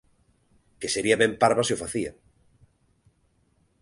Que sería ben parva se o facía.